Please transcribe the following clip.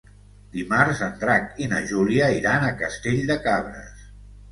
Dimarts en Drac i na Júlia iran a Castell de Cabres.